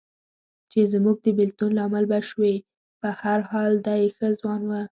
چې زموږ د بېلتون لامل به شوې، په هر حال دی ښه ځوان و.